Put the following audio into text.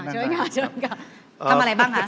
ทำอะไรบ้างคะ